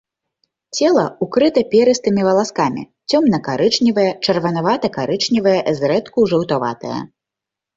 Цела ўкрыта перыстымі валаскамі, цёмна-карычневае, чырванавата-карычневае, зрэдку жаўтаватае.